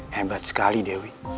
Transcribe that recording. hebat sekali dewi